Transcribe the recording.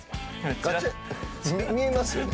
ガチャ見えますよね？